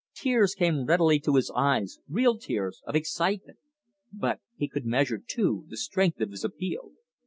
Tears came readily to his eyes, real tears of excitement; but he could measure, too, the strength of his appeal.